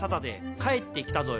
「帰ってきたぞよ！